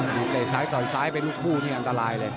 ลูกเตะซ้ายต่อยซ้ายเป็นลูกคู่นี่อันตรายเลย